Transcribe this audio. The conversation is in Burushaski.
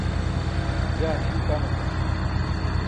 jaa hin ṭam etam